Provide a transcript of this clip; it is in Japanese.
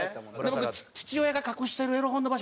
僕父親が隠してるエロ本の場所